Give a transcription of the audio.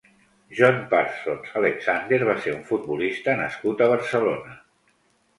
John Parsons Alexander va ser un futbolista nascut a Barcelona.